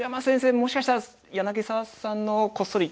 もしかしたら柳澤さんのをこっそり研究して。